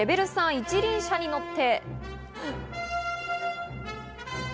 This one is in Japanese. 一輪車に乗って。